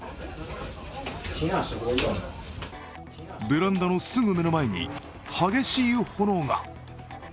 ベランダのすぐ目の前に激しい炎が。